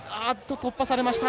突破されました。